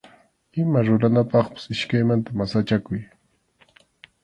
Ima ruranapaqpas iskaymanta masachakuy.